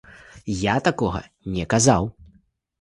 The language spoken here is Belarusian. Я такога не казаў.